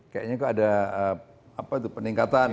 kayaknya kok ada peningkatan